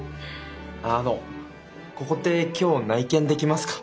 あのここって今日内見できますか？